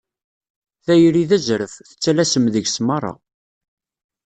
Tayri d azref, tettalasem deg-s merra.